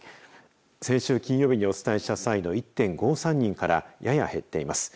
先週金曜日にお伝えした際の１．５３人からやや減っています。